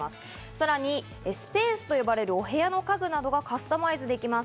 さらにスペースと呼ばれるお部屋の家具などをカスタマイズできます。